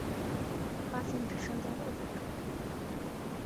发现只剩下六分钟